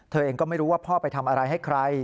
เธอเองก็ไม่รู้ว่าพ่อไปทำอะไรให้ใคร